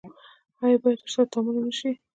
آیا باید ورسره تعامل ونشي؟